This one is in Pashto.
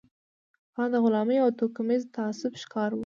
هغه د غلامۍ او توکميز تعصب ښکار و.